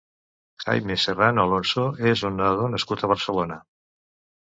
Jaime Serrano Alonso és un nedador nascut a Barcelona.